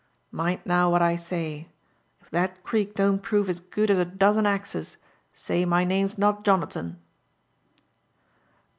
Hind now what I say : if that creek don't prove as good as a dozen axes, say my name's not Jonathan."